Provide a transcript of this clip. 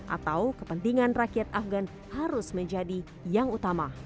atau kepentingan rakyat afghan harus menjadi yang utama